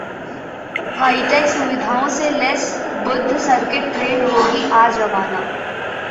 hi tech सुविधाओं से लैस बुद्ध सर्किट ट्रेन आज होगी रवाना